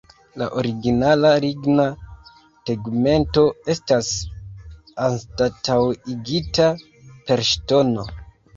La originala ligna tegmento estas anstataŭigita per ŝtono.